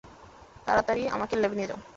তাড়াতাড়ি আমাকে ল্যাবে নিয়ে যাও।